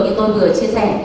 như tôi vừa chia sẻ